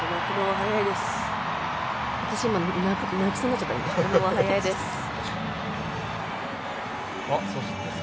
早いです。